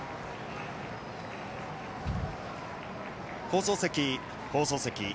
放送席、放送席。